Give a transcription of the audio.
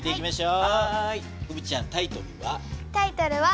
うぶちゃんタイトルは？